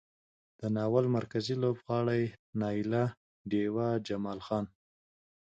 د ناول مرکزي لوبغاړي نايله، ډېوه، جمال خان،